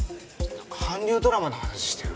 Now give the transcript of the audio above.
韓流ドラマの話してる？